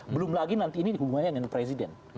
belum lagi nanti ini hubungannya dengan presiden